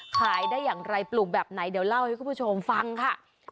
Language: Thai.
ขายได้อย่างไรปลูกแบบไหนเดี๋ยวเล่าให้คุณผู้ชมฟังค่ะ